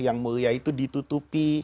yang mulia itu ditutupi